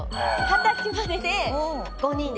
二十歳までで５人ですね。